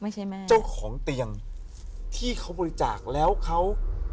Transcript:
เจ้าของเตียงที่เขาบริจาคแล้วเขา